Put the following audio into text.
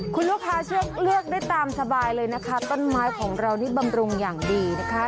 คุณลูกค้าเลือกได้ตามสบายเลยนะคะต้นไม้ของเรานี่บำรุงอย่างดีนะคะ